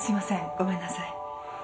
ごめんなさい。